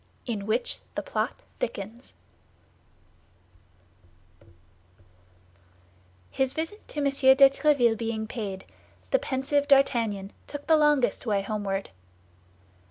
IN WHICH THE PLOT THICKENS His visit to M. de Tréville being paid, the pensive D'Artagnan took the longest way homeward.